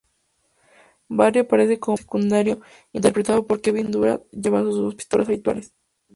Barry aparece como personaje secundario interpretado por Kevin Durand llevando sus pistolas habituales.